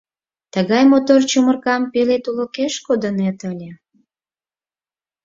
Тыгай мотор чумыркам пеле тулыкеш кодынет ыле...